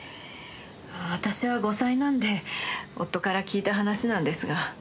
私は後妻なんで夫から聞いた話なんですが。